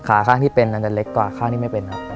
ข้างที่เป็นอาจจะเล็กกว่าข้างนี้ไม่เป็นครับ